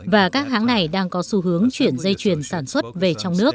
và các hãng này đang có xu hướng chuyển dây chuyền sản xuất về trong nước